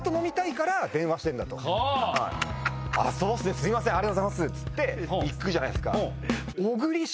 すいませんありがとうございますって行くじゃないですか。